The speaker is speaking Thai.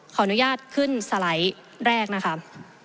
ขออนุญาตขึ้นสไลด์แรกนะครับ